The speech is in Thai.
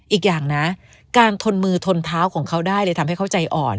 อีกอย่างนะการทนมือทนเท้าของเขาได้เลยทำให้เขาใจอ่อน